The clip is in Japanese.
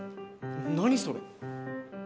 何それ。